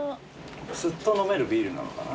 すっと飲めるビールなのかな？